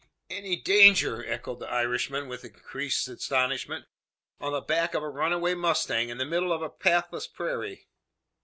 "Any danger!" echoed the Irishman, with increased astonishment. "On the back of a runaway mustang in the middle of a pathless prairie!"